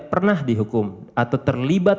pernah dihukum atau terlibat